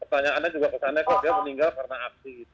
pertanyaannya juga kesannya kok dia meninggal karena aksi gitu